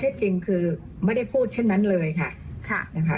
ข้อเท็จจริงคือไม่ได้พูดเช่นนั้นเลยค่ะ